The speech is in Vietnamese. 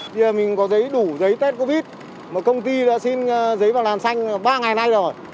bây giờ mình có giấy đủ giấy test covid mà công ty đã xin giấy vào làm xanh ba ngày nay rồi